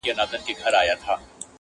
وړي لمبه پر سر چي شپه روښانه کړي-